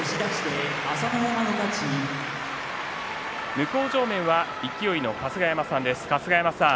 向正面は勢の春日山さんです。